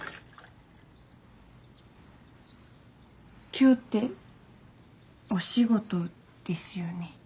今日ってお仕事ですよね。